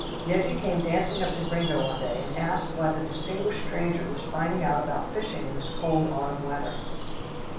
Yeggie came dancing up to Gringo one day and asked why the distinguished stranger was finding out about fishing in this cold autumn weather.